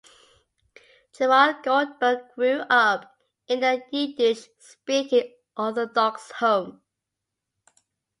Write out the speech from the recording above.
Gerald Goldberg grew up in a Yiddish-speaking Orthodox home.